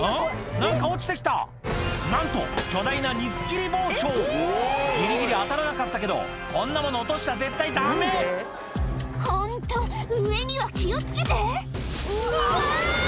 何か落ちてきたなんと巨大な肉切り包丁ギリギリ当たらなかったけどこんなもの落としちゃ絶対ダメホント上には気を付けてうわ！